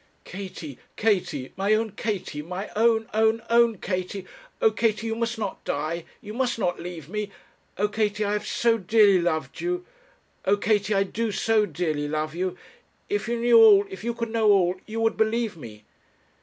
'Katie, Katie, my own Katie, my own, own, own Katie oh, Katie, you must not die, you must not leave me! Oh, Katie, I have so dearly loved you! Oh, Katie, I do so dearly love you! If you knew all, if you could know all, you would believe me.'